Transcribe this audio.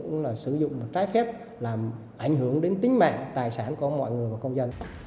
cũng là sử dụng trái phép làm ảnh hưởng đến tính mạng tài sản của mọi người và công dân